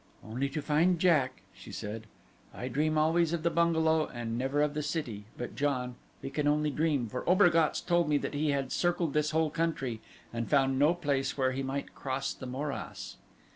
"Only to find Jack," she said. "I dream always of the bungalow and never of the city, but John, we can only dream, for Obergatz told me that he had circled this whole country and found no place where he might cross the morass."